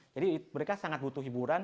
jadi mereka sangat membutuhkan hiburan